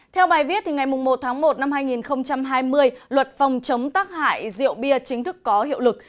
theo bài viết ngày một tháng một năm hai nghìn hai mươi luật phòng chống tác hại rượu bia chính thức có hiệu lực